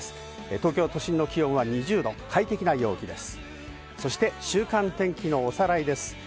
東京都心の気温は２０度、快適な陽気です。